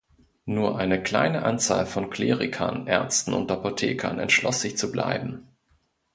Nur eine kleine Anzahl von Klerikern, Ärzten und Apothekern entschloss sich zu bleiben.